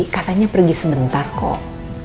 katanya pergi sebentar kok